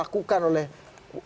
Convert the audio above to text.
atau akan dituruti